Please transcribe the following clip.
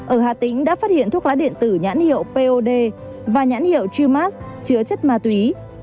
ở hà tĩnh đã phát hiện thuốc lá điện tử nhãn hiệu pod và nhãn hiệu trumas chứa chất ma túy